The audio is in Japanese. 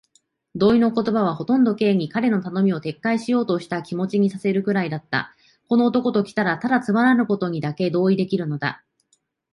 同意の言葉はほとんど Ｋ に、彼の頼みを撤回しようというという気持にさせるくらいだった。この男ときたら、ただつまらぬことにだけ同意できるのだ。